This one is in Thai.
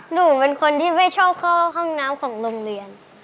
หนูเป็นคนที่ไม่ชอบเข้าห้องน้ำของโรงเรียน